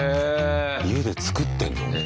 家で作ってんのね。